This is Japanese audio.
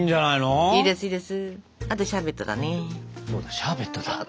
シャーベット